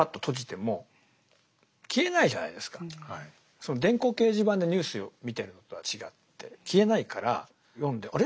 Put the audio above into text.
その電光掲示板でニュース見てるのとは違って消えないから読んであれ？